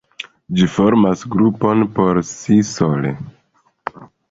Ĝi formas grupon por si sole.